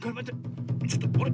ちょっとあれ？